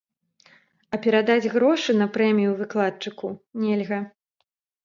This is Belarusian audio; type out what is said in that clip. А перадаць грошы на прэмію выкладчыку нельга.